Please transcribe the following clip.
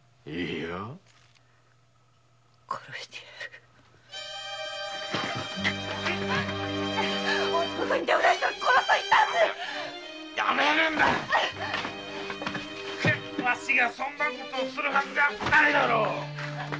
わしがそんなことをするはずがないだろう！